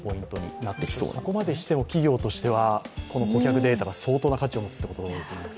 そこまでしても企業としてはこの顧客データが相当な価値になるということですね。